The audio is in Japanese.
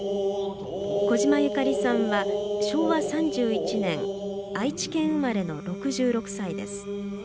小島ゆかりさんは昭和３１年愛知県生まれの６６歳です。